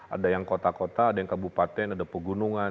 ada yang kota kota ada yang kabupaten ada pegunungan